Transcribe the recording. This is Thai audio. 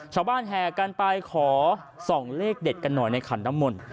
ชาวบ้านแห่กันไปขอสองเลขเด็ดกันหน่อยในขันน้ำมน